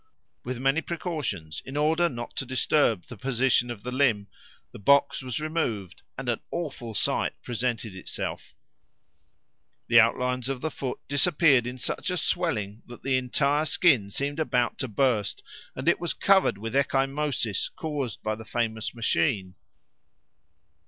With many precautions, in order not to disturb the position of the limb, the box was removed, and an awful sight presented itself. The outlines of the foot disappeared in such a swelling that the entire skin seemed about to burst, and it was covered with ecchymosis, caused by the famous machine.